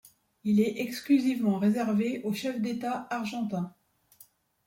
Il est exclusivement réservé au chef d’État Argentin.